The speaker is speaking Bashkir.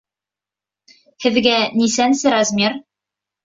Һеҙгә нисәнсе размер?